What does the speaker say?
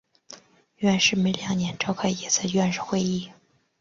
院士每两年召开一次院士会议。